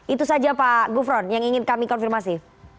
itu saja pak gufron yang ingin kami konfirmasi